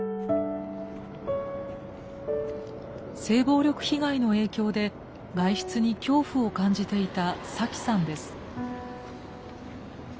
性暴力被害の影響で外出に恐怖を感じていたサキさんです。